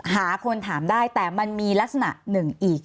หาคนถามได้แต่มันมีลักษณะหนึ่งอีก